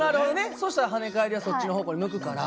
そしたら跳ね返りがそっちの方向に向くから。